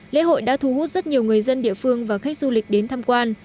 lễ hội đã thu hút rất nhiều người dân địa phương và khách du lịch đến tham quan